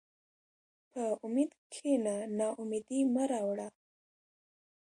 په امید کښېنه، ناامیدي مه راوړه.